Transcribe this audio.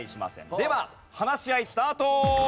では話し合いスタート。